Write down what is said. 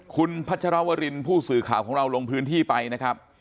คุณพัชรวรินผู้สื่อข่าวของเราลงพื้นที่ไปนะครับ